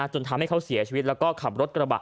จนทำให้เขาเสียชีวิตแล้วก็ขับรถกระบะ